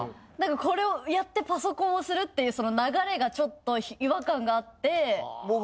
これをやってパソコンをするっていうその流れがちょっと違和感があって。